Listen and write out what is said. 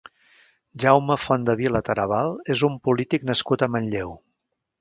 Jaume Fontdevila Tarabal és un polític nascut a Manlleu.